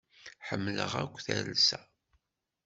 Ḥemmleɣ akk talsa.